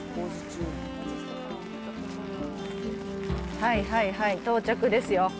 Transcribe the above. はいはいはい、到着ですよ。